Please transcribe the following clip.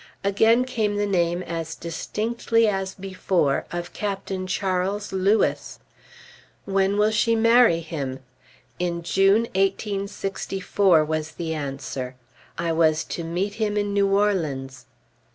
Again came the name as distinctly as before, of Captain Charles Lewis. "When will she marry him?" "In June, 1864," was the answer. I was to meet him in New Orleans.